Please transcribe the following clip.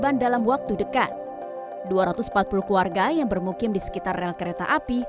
dalam waktu dekat dua ratus empat puluh keluarga yang bermukim di sekitar rel kereta api